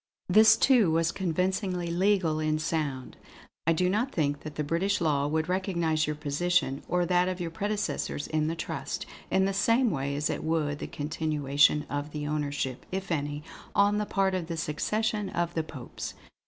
This too was convincingly legal in sound. "I do not think that British law would recognise your position, or that of your predecessors in the trust, in the same way as it would the continuation of the ownership, if any, on the part of the succession of the Popes.